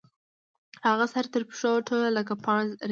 هغه سر تر پښو ټوله لکه پاڼه رېږدېده.